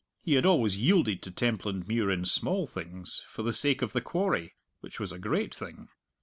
He had always yielded to Templandmuir in small things, for the sake of the quarry, which was a great thing.